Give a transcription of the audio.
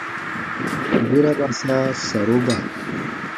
Bera ba sãa saroba.